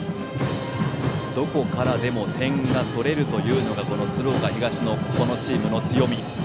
どこからでも点が取れるというのが鶴岡東のチームの強み。